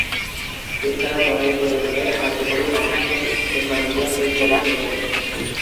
এছাড়াও দলের প্রয়োজনে কার্যকরী অফ স্পিন কিংবা মিডিয়াম-পেস বোলিং করতেন।